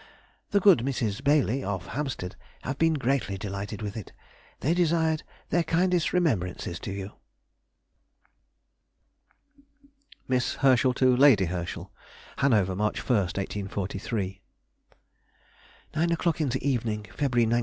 The good Misses Baillie, of Hampstead, have been greatly delighted with it. They desired their kindest remembrances to you. MISS HERSCHEL TO LADY HERSCHEL. HANOVER, March 1, 1843. ... Nine o'clock in the evening (February 19).